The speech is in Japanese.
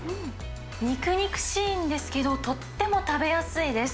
肉々しいんですけど、とっても食べやすいです。